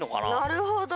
なるほど。